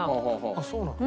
あっそうなんだ。